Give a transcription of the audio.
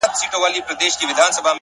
دغه د اور ځنځير ناځوانه ځنځير،